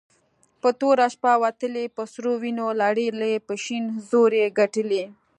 په توره شپه وتلې په سرو وينو لړلې په شين زور يي ګټلې